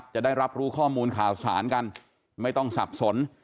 วากรู้ข้อมูลข่าวสารกันไม่ต้องสับสน